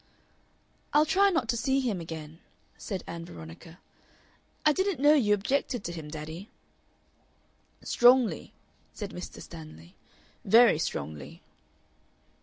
"I'll try not to see him again," said Ann Veronica. "I didn't know you objected to him, daddy." "Strongly," said Mr. Stanley, "very strongly."